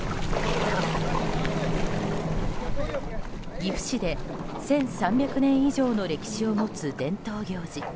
岐阜市で１３００年以上の歴史を持つ伝統行事